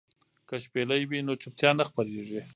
که شپېلۍ وي نو چوپتیا نه خپریږي.